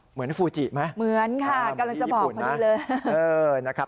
เหมือนฟูจิไหมเหมือนค่ะกำลังจะบอกพวกนี้เลย